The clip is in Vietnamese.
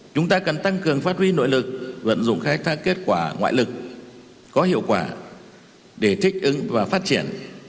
chúng ta cần tăng cường phát huy nội lực vận dụng khai thác kết quả ngoại lực có hiệu quả để thích ứng và phát triển